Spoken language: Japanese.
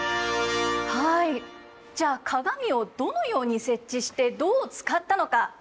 はいじゃあ鏡をどのように設置してどう使ったのか？